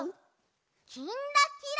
「きんらきら」。